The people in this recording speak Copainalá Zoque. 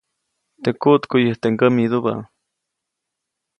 Teʼ kuʼtkuʼyäjte ŋgämidubä.